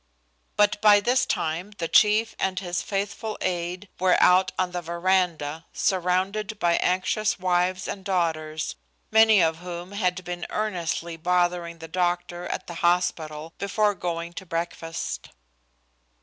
But by this time the chief and his faithful aide were out on the veranda, surrounded by anxious wives and daughters, many of whom had been earnestly bothering the doctor at the hospital before going to breakfast.